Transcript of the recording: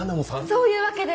そういうわけでは。